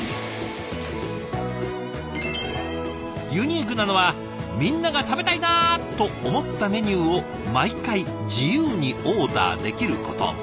ユニークなのはみんなが食べたいなと思ったメニューを毎回自由にオーダーできること。